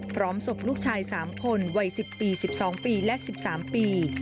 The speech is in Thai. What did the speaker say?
พร้อมศพลูกชาย๓คนวัย๑๐ปี๑๒ปีและ๑๓ปี